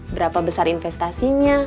berapa besar investasinya